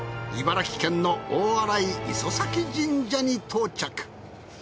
茨城県の大洗磯前神社に到着。